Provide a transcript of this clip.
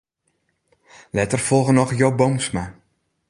Letter folge noch Joop Boomsma.